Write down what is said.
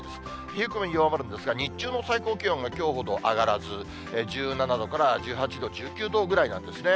冷え込み弱まるんですが、日中の最高気温がきょうほど上がらず、１７度から１８度、１９度ぐらいなんですね。